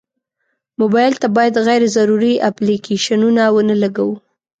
موبایل ته باید غیر ضروري اپلیکیشنونه ونه لګوو.